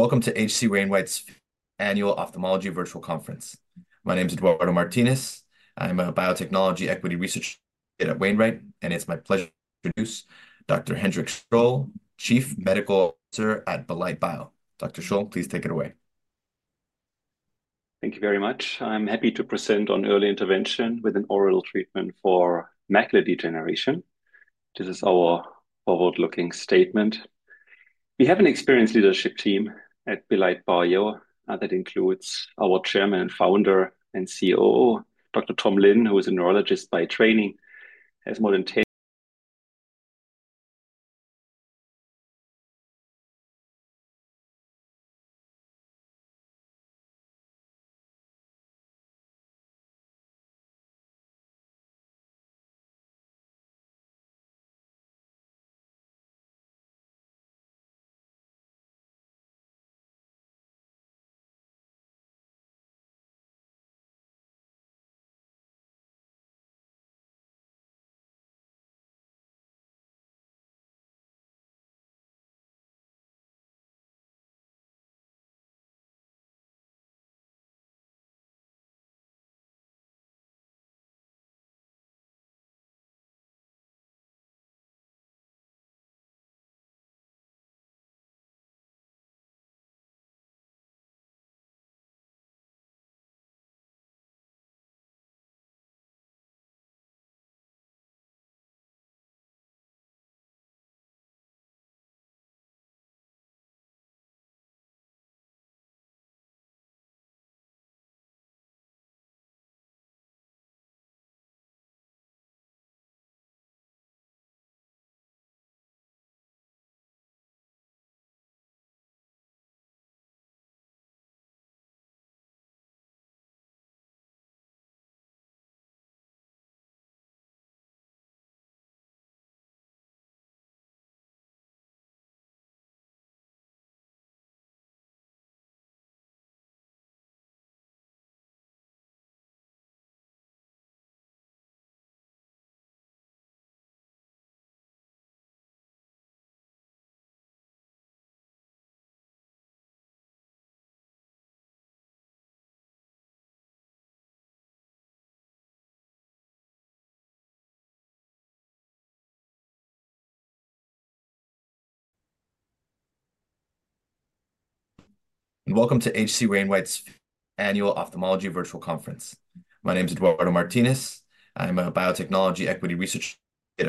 Welcome to H.C. Wainwright's annual Ophthalmology Virtual Conference. My name is Eduardo Martinez. I'm a biotechnology equity researcher at H.C. Wainwright, and it's my pleasure to introduce Dr. Hendrik Scholl, Chief Medical Officer at Belite Bio. Dr. Scholl, please take it away. Thank you very much. I'm happy to present on early intervention with an oral treatment for macular degeneration. This is our forward-looking statement. We have an experienced leadership team at Belite Bio that includes our Chairman, Founder, and COO, Dr. Tom Lin, who is a neurologist by training, has more than testimony. Welcome to H.C. Wainwright's annual Ophthalmology Virtual Conference. My name is Eduardo Martinez. I'm a biotechnology equity researcher at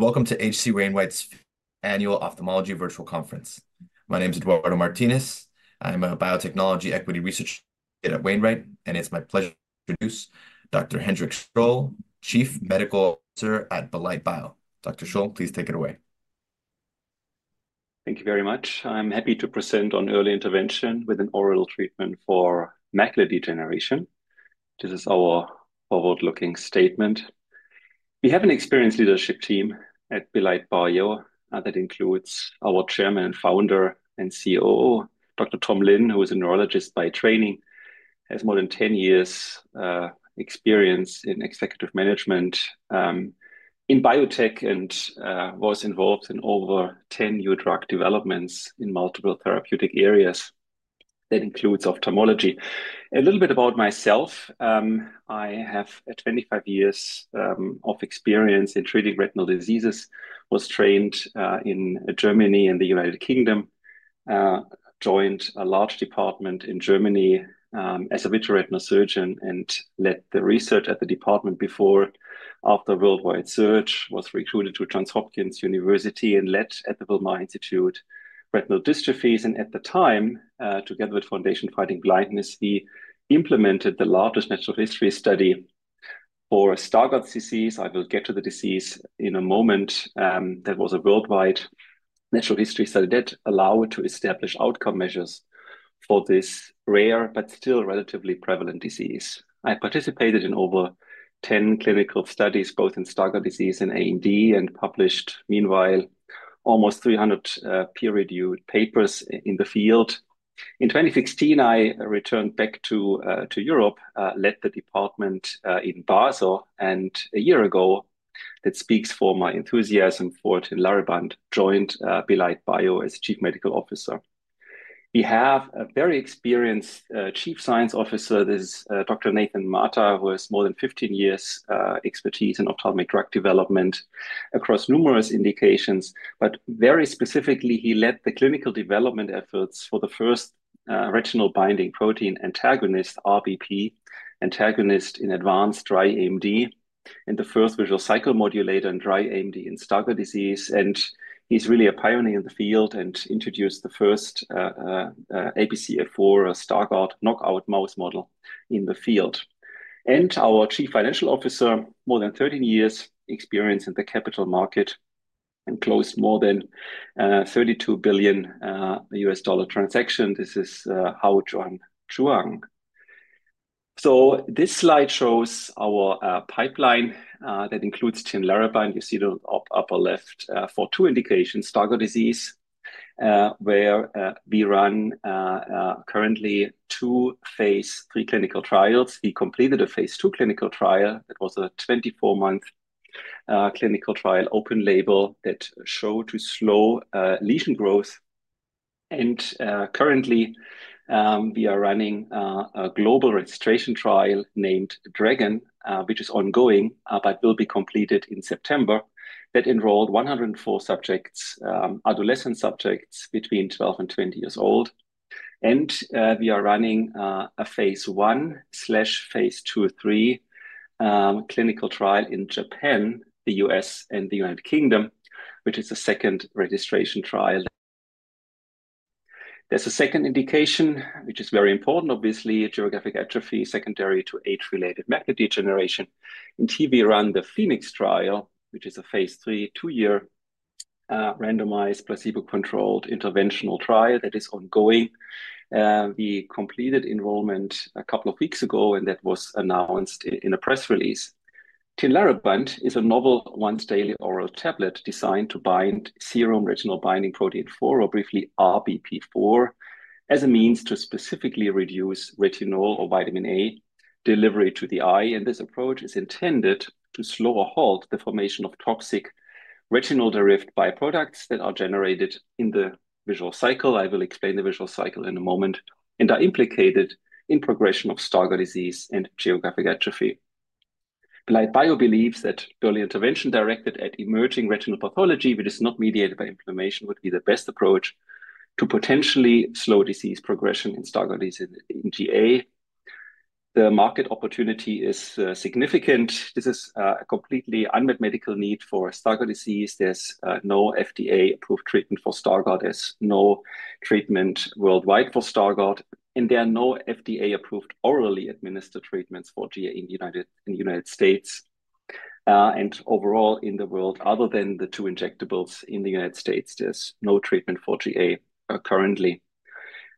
H.C. Wainwright, and it's my pleasure to introduce Dr. Hendrik Scholl, Chief Medical Officer at Belite Bio. Dr. Scholl, please take it away. Thank you very much. I'm happy to present on early intervention with an oral treatment for macular degeneration. This is our forward-looking statement. We have an experienced leadership team at Belite Bio that includes our Chairman, Founder, and COO, Dr. Tom Lin, who is a neurologist by training, has more than 10 years of experience in executive management in biotech, and was involved in over 10 new drug developments in multiple therapeutic areas that include ophthalmology. A little bit about myself. I have 25 years of experience in treating retinal diseases. I was trained in Germany and the United Kingdom. I joined a large department in Germany as a vitreoretinal surgeon and led the research at the department before, after a worldwide surge, I was recruited to Johns Hopkins University and led at the Wilmer Institute of Retinal Dystrophies. At the time, together with the Foundation Fighting Blindness, we implemented the largest natural history study for Stargardt disease. I will get to the disease in a moment. That was a worldwide natural history study that allowed us to establish outcome measures for this rare but still relatively prevalent disease. I participated in over 10 clinical studies, both in Stargardt disease and AMD, and published, meanwhile, almost 300 peer-reviewed papers in the field. In 2016, I returned back to Europe, led the department in Basel, and a year ago, that speaks for my enthusiasm for Tinlarebant, I joined Belite Bio as Chief Medical Officer. We have a very experienced Chief Science Officer, Dr. Nathan Mata, who has more than 15 years of expertise in ophthalmic drug development across numerous indications, but very specifically, he led the clinical development efforts for the first retinol binding protein antagonist, RBP antagonist, in advanced dry AMD and the first visual cycle modulator in dry AMD in Stargardt disease. He's really a pioneer in the field and introduced the first ABCA4 Stargardt knockout mouse model in the field. Our Chief Financial Officer, with more than 30 years of experience in the capital market, closed more than $32 billion transactions. This is Hao-Yuan Chuang. This slide shows our pipeline that includes Tinlarebant. You see it on the upper left for two indications, Stargardt disease, where we run currently two phase 3 clinical trials. We completed a phase 2 clinical trial that was a 24-month clinical trial, open label, that showed to slow lesion growth. Currently, we are running a global registration trial named DRAGON, which is ongoing but will be completed in September. It enrolled 104 adolescent subjects between 12 and 20 years old. We are running a phase 1/phase 2/3 clinical trial in Japan, the U.S., and the United Kingdom, which is the second registration trial. There's a second indication, which is very important, obviously, geographic atrophy secondary to age-related macular degeneration. Indeed, we run the PHOENIX trial, which is a phase 3 two-year randomized placebo-controlled interventional trial that is ongoing. We completed enrollment a couple of weeks ago, and that was announced in a press release. Tinlarebant is a novel once-daily oral tablet designed to bind serum retinol binding protein 4, or briefly RBP4, as a means to specifically reduce retinol or vitamin A delivery to the eye. This approach is intended to slow or halt the formation of toxic retinal derived byproducts that are generated in the visual cycle. I will explain the visual cycle in a moment, and they're implicated in the progression of Stargardt disease and geographic atrophy. Belite Bio believes that early intervention directed at emerging retinal pathology, which is not mediated by inflammation, would be the best approach to potentially slow disease progression in Stargardt disease and GA. The market opportunity is significant. This is a completely unmet medical need for Stargardt disease. There's no FDA-approved treatment for Stargardt. There's no treatment worldwide for Stargardt, and there are no FDA-approved orally administered treatments for GA in the United States and overall in the world. Other than the two injectables in the United States, there's no treatment for GA currently.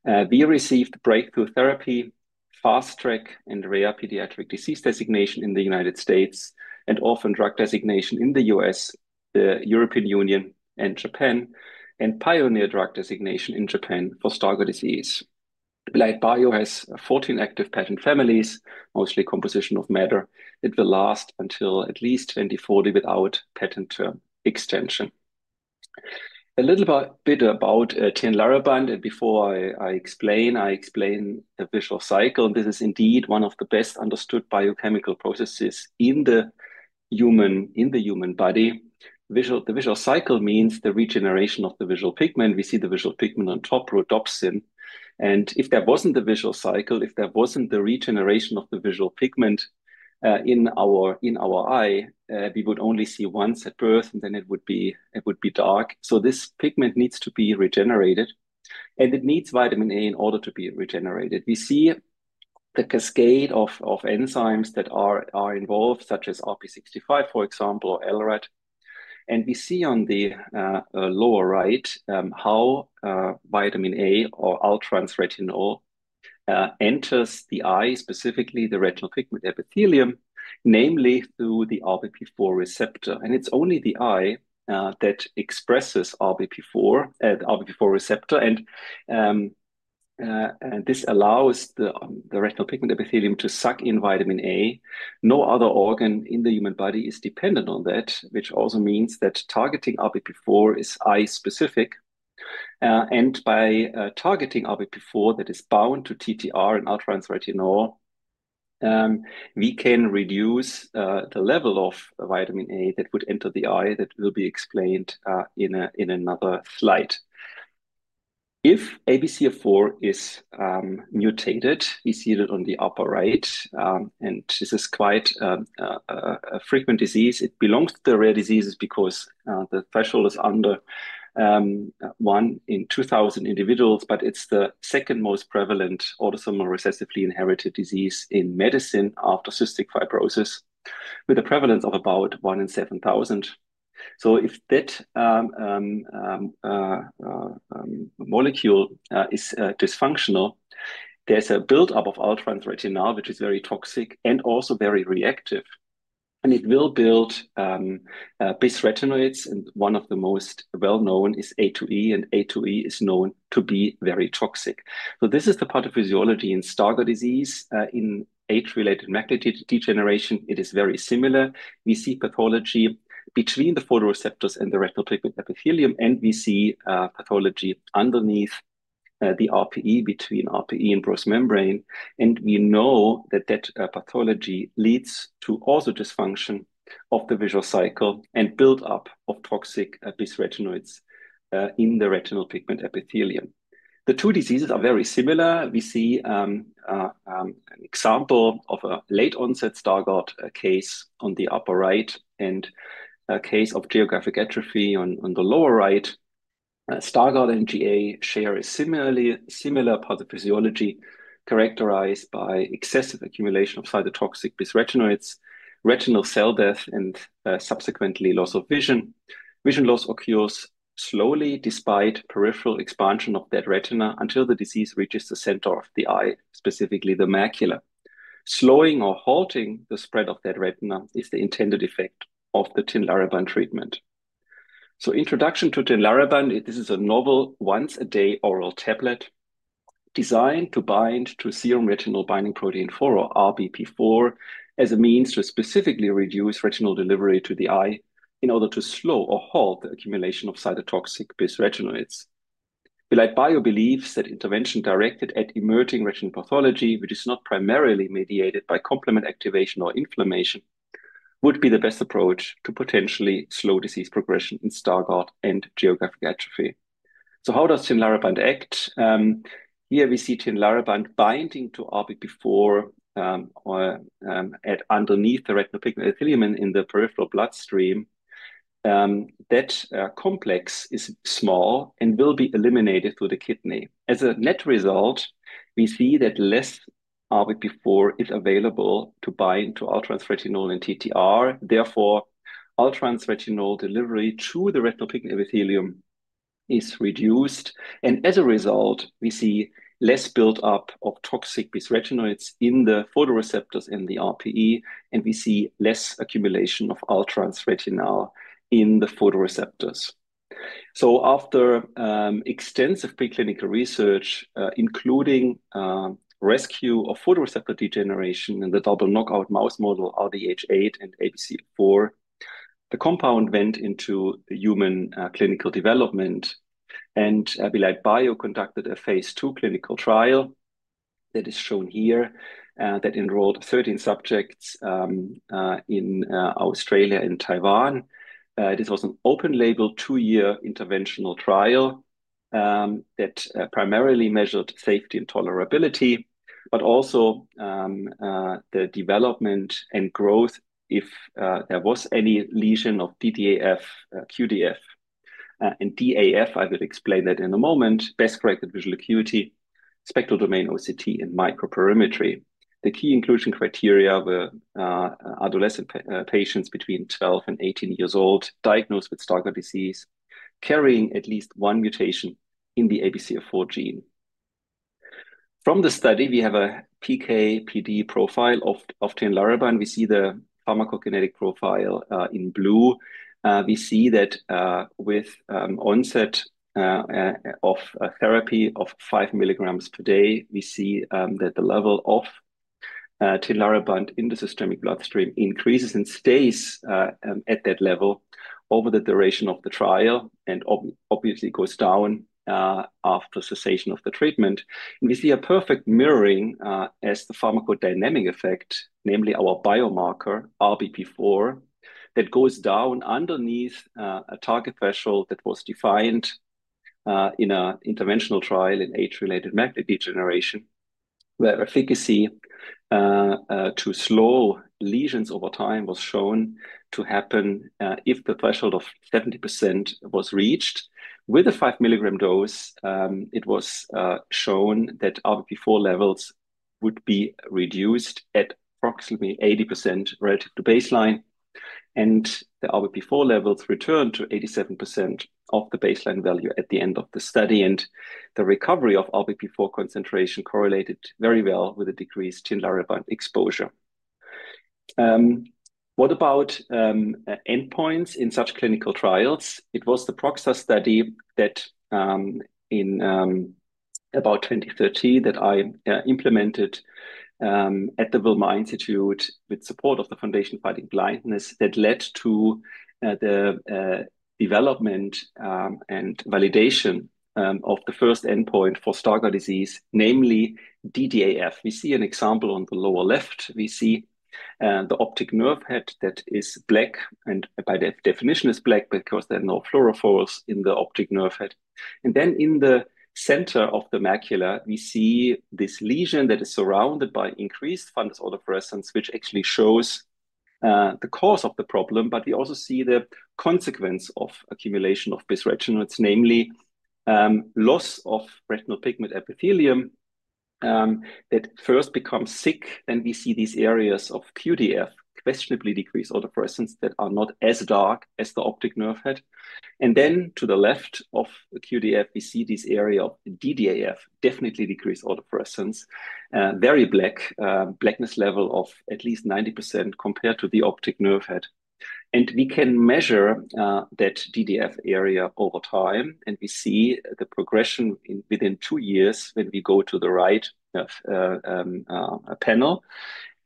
We received breakthrough therapy, fast track, and rare pediatric disease designation in the United States, and orphan drug designation in the U.S., the European Union, and Japan, and pioneer drug designation in Japan for Stargardt disease. Belite Bio has 14 active patent families, mostly composition of matter. It will last until at least 2040 without patent term extension. A little bit about Tinlarebant. Before I explain, I explain the visual cycle, and this is indeed one of the best understood biochemical processes in the human body. The visual cycle means the regeneration of the visual pigment. We see the visual pigment on top, rhodopsin. If there wasn't the visual cycle, if there wasn't the regeneration of the visual pigment in our eye, we would only see once at birth, and then it would be dark. This pigment needs to be regenerated, and it needs vitamin A in order to be regenerated. We see the cascade of enzymes that are involved, such as RPE65, for example, or LRAT. We see on the lower right how vitamin A or all-trans retinol enters the eye, specifically the retinal pigment epithelium, namely through the RBP4 receptor. It's only the eye that expresses the RBP4 receptor, and this allows the retinal pigment epithelium to suck in vitamin A. No other organ in the human body is dependent on that, which also means that targeting RBP4 is eye-specific. By targeting RBP4 that is bound to TTR and all-trans retinol, we can reduce the level of vitamin A that would enter the eye. That will be explained in another slide. If ABCA4 is mutated, we see it on the upper right, and this is quite a frequent disease. It belongs to the rare diseases because the threshold is under one in 2,000 individuals, but it's the second most prevalent autosomal recessively inherited disease in medicine after cystic fibrosis, with a prevalence of about one in 7,000. If that molecule is dysfunctional, there's a buildup of all-trans retinol, which is very toxic and also very reactive, and it will build bis-retinoids. One of the most well-known is A2E, and A2E is known to be very toxic. This is the pathophysiology in Stargardt disease. In age-related macular degeneration, it is very similar. We see pathology between the photoreceptors and the retinal pigment epithelium, and we see pathology underneath the RPE between RPE and Bruch's membrane. We know that that pathology leads to also dysfunction of the visual cycle and buildup of toxic bis-retinoids in the retinal pigment epithelium. The two diseases are very similar. We see an example of a late-onset Stargardt case on the upper right and a case of geographic atrophy on the lower right. Stargardt and GA share a similar pathophysiology characterized by excessive accumulation of cytotoxic bis-retinoids, retinal cell death, and subsequently loss of vision. Vision loss occurs slowly despite peripheral expansion of that retina until the disease reaches the center of the eye, specifically the macula. Slowing or halting the spread of that retina is the intended effect of the Tinlarebant treatment. Introduction to Tinlarebant. This is a novel once-a-day oral tablet designed to bind to serum retinol binding protein 4 or RBP4 as a means to specifically reduce retinal delivery to the eye in order to slow or halt the accumulation of cytotoxic bis-retinoids. Belite Bio believes that intervention directed at emerging retinal pathology, which is not primarily mediated by complement activation or inflammation, would be the best approach to potentially slow disease progression in Stargardt and geographic atrophy. How does Tinlarebant act? Here we see Tinlarebant binding to RBP4 underneath the retinal pigment epithelium and in the peripheral bloodstream. That complex is small and will be eliminated through the kidney. As a net result, we see that less RBP4 is available to bind to all-trans retinol and TTR. Therefore, all-trans retinol delivery to the retinal pigment epithelium is reduced, and as a result, we see less buildup of toxic bis-retinoids in the photoreceptors and the RPE, and we see less accumulation of all-trans retinol in the photoreceptors. After extensive preclinical research, including rescue of photoreceptor degeneration in the double knockout mouse model, RDH8 and ABCA4, the compound went into human clinical development. Belite Bio conducted a phase 2 clinical trial that is shown here that enrolled 13 subjects in Australia and Taiwan. This was an open-label two-year interventional trial that primarily measured safety and tolerability, but also the development and growth if there was any lesion of DDAF, QDAF, and DAF. I will explain that in a moment. Best corrected visual acuity, spectral domain OCT, and microperimetry. The key inclusion criteria were adolescent patients between 12 and 18 years old diagnosed with Stargardt disease carrying at least one mutation in the ABCA4 gene. From the study, we have a PKPD profile of Tinlarebant. We see the pharmacokinetic profile in blue. We see that with onset of therapy of 5 mg per day, we see that the level of Tinlarebant in the systemic bloodstream increases and stays at that level over the duration of the trial and obviously goes down after cessation of the treatment. We see a perfect mirroring as the pharmacodynamic effect, namely our biomarker RBP4, that goes down underneath a target threshold that was defined in an interventional trial in age-related macular degeneration where efficacy to slow lesions over time was shown to happen if the threshold of 70% was reached. With a 5 mg dose, it was shown that RBP4 levels would be reduced at approximately 80% relative to baseline, and the RBP4 levels returned to 87% of the baseline value at the end of the study. The recovery of RBP4 concentration correlated very well with a decreased Tinlarebant exposure. What about endpoints in such clinical trials? It was the PROXA study that in about 2013 that I implemented at the Wilmer Institute with support of the Foundation Fighting Blindness that led to the development and validation of the first endpoint for Stargardt disease, namely DDAF. We see an example on the lower left. We see the optic nerve head that is black, and by that definition is black because there are no fluorophores in the optic nerve head. In the center of the macula, we see this lesion that is surrounded by increased fundus autofluorescence, which actually shows the cause of the problem, but we also see the consequence of accumulation of bis-retinoids, namely loss of retinal pigment epithelium that first becomes thick. We see these areas of QDF, questionably decreased autofluorescence that are not as dark as the optic nerve head. To the left of QDF, we see this area of DDAF, definitely decreased autofluorescence, very black, blackness level of at least 90% compared to the optic nerve head. We can measure that DDAF area over time, and we see the progression within two years. When we go to the right panel,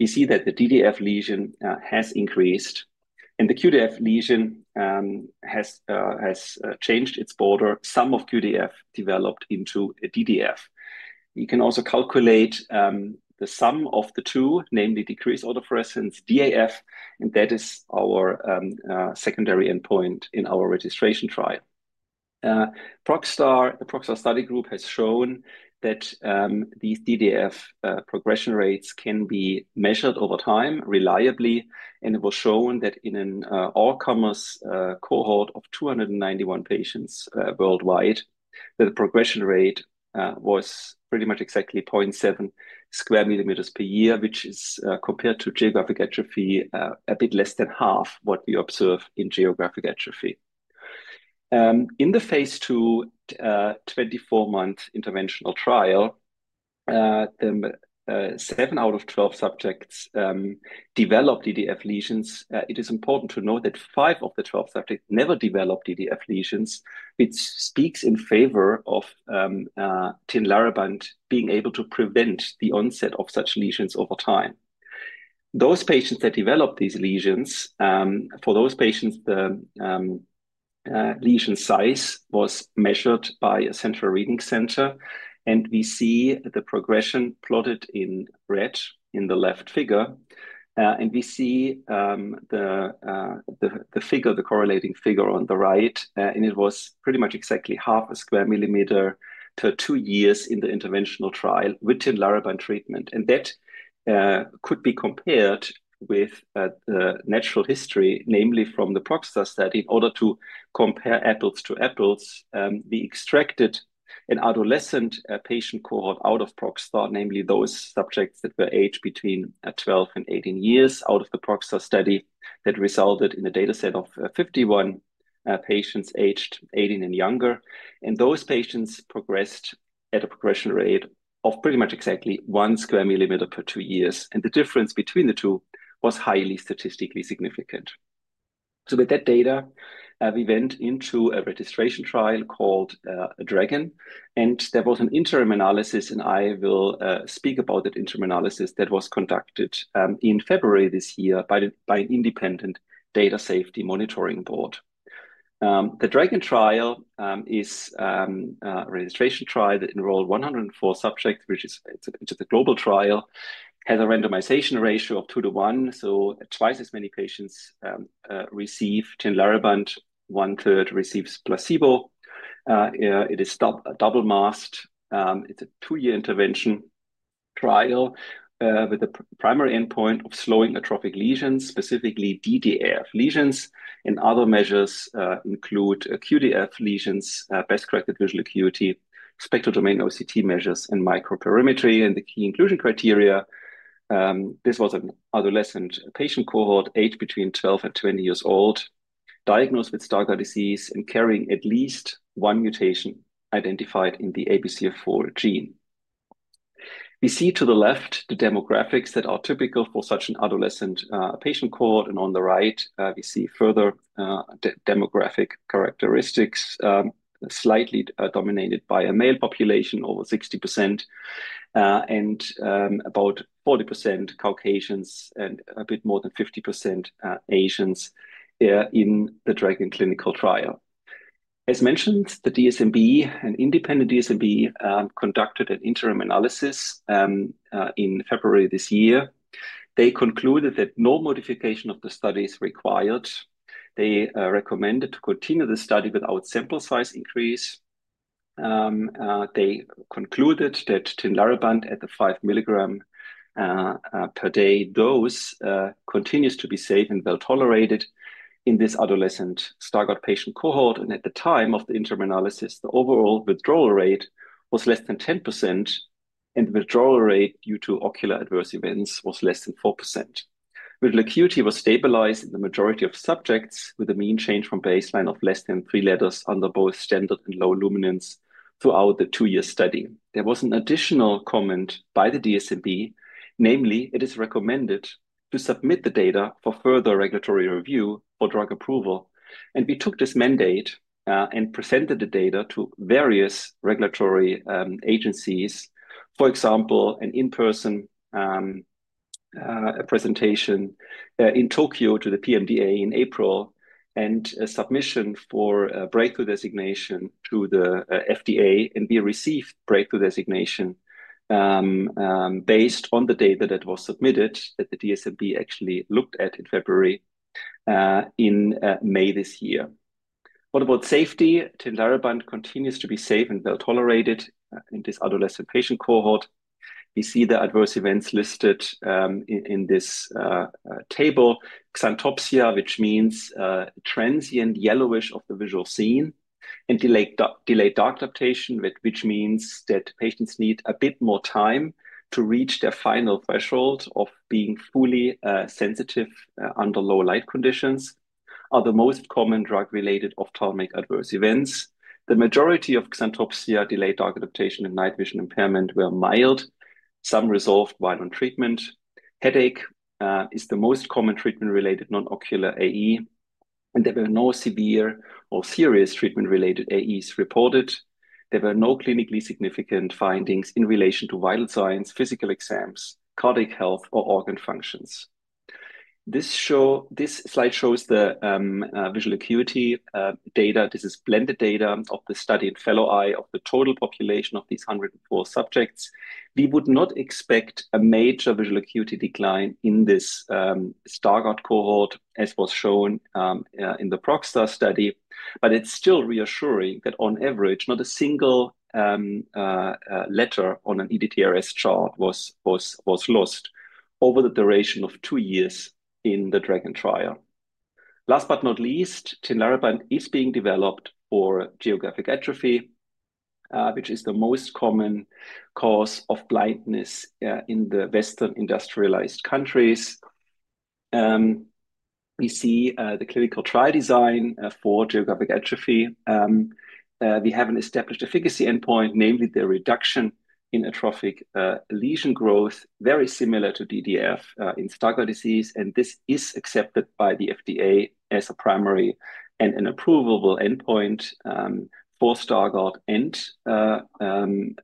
we see that the DDAF lesion has increased, and the QDF lesion has changed its border. Some of QDF developed into a DDAF. You can also calculate the sum of the two, namely decreased autofluorescence, DAF, and that is our secondary endpoint in our registration trial. The PROXA study group has shown that these DDAF progression rates can be measured over time reliably, and it was shown that in an all-comers cohort of 291 patients worldwide, the progression rate was pretty much exactly 0.7 sq mm per year, which is compared to geographic atrophy a bit less than half what we observe in geographic atrophy. In the phase two 24-month interventional trial, seven out of 12 subjects developed DDAF lesions. It is important to note that five of the 12 subjects never developed DDAF lesions, which speaks in favor of Tinlarebant being able to prevent the onset of such lesions over time. Those patients that developed these lesions, for those patients, the lesion size was measured by a central reading center, and we see the progression plotted in red in the left figure. We see the correlating figure on the right, and it was pretty much exactly 0.5 sq mm to two years in the interventional trial with Tinlarebant treatment. That could be compared with the natural history, namely from the PROXA study. In order to compare apples to apples, we extracted an adolescent patient cohort out of PROXA, namely those subjects that were aged between 12 and 18 years out of the PROXA study that resulted in a dataset of 51 patients aged 18 and younger. Those patients progressed at a progression rate of pretty much exactly 1 sq mm per two years, and the difference between the two was highly statistically significant. With that data, we went into a registration trial called DRAGON. There was an interim analysis, and I will speak about that interim analysis that was conducted in February this year by an independent data safety monitoring board. The DRAGON trial is a registration trial that enrolled 104 subjects, which is into the global trial, has a randomization ratio of two to one, so twice as many patients receive Tinlarebant. One third receives placebo. It is double masked. It's a two-year intervention trial with the primary endpoint of slowing atrophic lesions, specifically DDAF lesions, and other measures include QDF lesions, best-corrected visual acuity, spectral domain OCT measures, and microperimetry. The key inclusion criteria, this was an adolescent patient cohort aged between 12 and 20 years old, diagnosed with Stargardt disease and carrying at least one mutation identified in the ABCA4 gene. We see to the left the demographics that are typical for such an adolescent patient cohort, and on the right, we see further demographic characteristics slightly dominated by a male population over 60% and about 40% Caucasians and a bit more than 50% Asians in the DRAGON clinical trial. As mentioned, the DSMB, an independent DSMB, conducted an interim analysis in February this year. They concluded that no modification of the study is required. They recommended to continue the study without sample size increase. They concluded that Tinlarebant at the 5 mg per day dose continues to be safe and well tolerated in this adolescent Stargardt patient cohort. At the time of the interim analysis, the overall withdrawal rate was less than 10%, and the withdrawal rate due to ocular adverse events was less than 4%. Visual acuity was stabilized in the majority of subjects with a mean change from baseline of less than three letters under both standard and low luminance throughout the two-year study. There was an additional comment by the DSMB, namely it is recommended to submit the data for further regulatory review for drug approval. We took this mandate and presented the data to various regulatory agencies, for example, an in-person presentation in Tokyo to the PMDA in April and a submission for a breakthrough designation through the FDA. We received breakthrough designation based on the data that was submitted that the DSMB actually looked at in February in May this year. What about safety? Tinlarebant continues to be safe and well tolerated in this adolescent patient cohort. We see the adverse events listed in this table, Xanthopsia, which means transient yellowish of the visual scene, and delayed dark adaptation, which means that patients need a bit more time to reach their final threshold of being fully sensitive under low light conditions, are the most common drug-related ophthalmic adverse events. The majority of Xanthopsia, delayed dark adaptation, and night vision impairment were mild. Some resolved while on treatment. Headache is the most common treatment-related nonocular AE, and there were no severe or serious treatment-related AEs reported. There were no clinically significant findings in relation to vital signs, physical exams, cardiac health, or organ functions. This slide shows the visual acuity data. This is blended data of the study and fellow eye of the total population of these 104 subjects. We would not expect a major visual acuity decline in this Stargardt cohort, as was shown in the PROXA study, but it's still reassuring that on average, not a single letter on an EDDRS chart was lost over the duration of two years in the DRAGON trial. Last but not least, Tinlarebant is being developed for geographic atrophy, which is the most common cause of blindness in the Western industrialized countries. We see the clinical trial design for geographic atrophy. We have an established efficacy endpoint, namely the reduction in atrophic lesion growth, very similar to DDAF in Stargardt disease, and this is accepted by the FDA as a primary and an approval endpoint for Stargardt and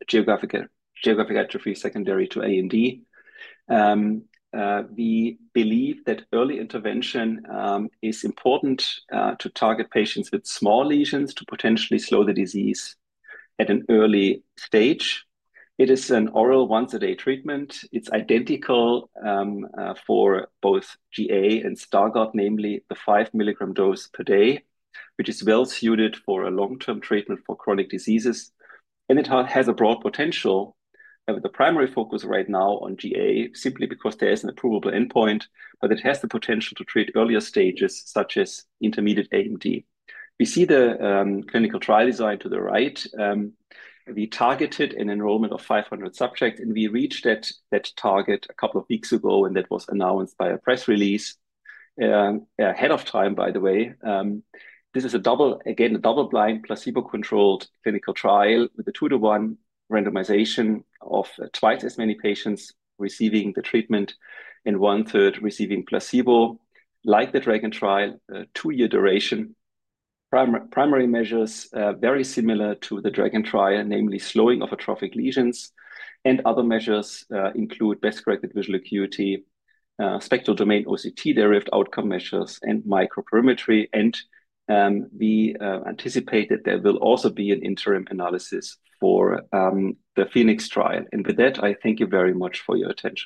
geographic atrophy secondary to AMD. We believe that early intervention is important to target patients with small lesions to potentially slow the disease at an early stage. It is an oral once-a-day treatment. It's identical for both GA and Stargardt, namely the 5 mg dose per day, which is well suited for a long-term treatment for chronic diseases, and it has a broad potential. The primary focus right now on GA is simply because there is an approval endpoint, but it has the potential to treat earlier stages such as intermediate AMD. We see the clinical trial design to the right. We targeted an enrollment of 500 subjects, and we reached that target a couple of weeks ago, and that was announced by a press release ahead of time, by the way. This is again a double-blind placebo-controlled clinical trial with a two-to-one randomization of twice as many patients receiving the treatment and one third receiving placebo. Like the DRAGON trial, two-year duration. Primary measures are very similar to the DRAGON trial, namely slowing of atrophic lesions, and other measures include best-corrected visual acuity, spectral domain OCT-derived outcome measures, and microperimetry. We anticipate that there will also be an interim analysis for the PHOENIX trial. With that, I thank you very much for your attention.